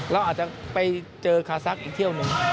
เราอาจจะไปเจอคาซักอีกเที่ยวหนึ่ง